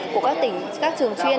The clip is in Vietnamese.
của các tỉnh các trường chuyên